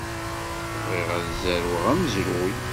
Bɣiɣ ad zerweɣ amezruy.